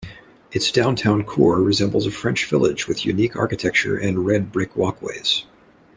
Its downtown core resembles a French village with unique architecture and red brick walkways.